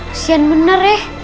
kesian benar ya